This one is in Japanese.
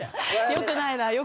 よくない。